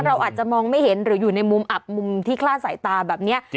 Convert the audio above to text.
เราอาจจะมองไม่เห็นหรืออยู่ในมุมอับมุมที่คลาดสายตาแบบนี้